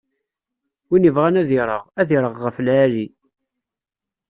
Win ibɣan ad ireɣ, ireɣ ɣef lɛali.